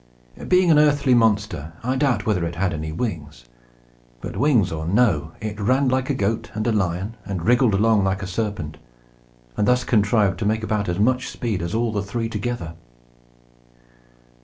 Being an earthly monster, I doubt whether it had any wings; but, wings or no, it ran like a goat and a lion, and wriggled along like a serpent, and thus contrived to make about as much speed as all the three together.